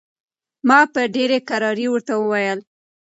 ما په ډېرې کرارۍ ورته وویل.